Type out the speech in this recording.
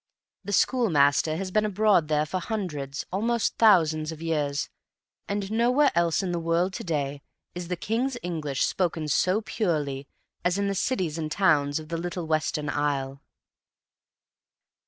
The schoolmaster has been abroad there for hundreds, almost thousands, of years, and nowhere else in the world to day is the king's English spoken so purely as in the cities and towns of the little Western Isle.